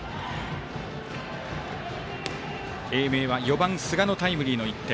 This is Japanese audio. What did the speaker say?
英明は４番、寿賀のタイムリーの１点。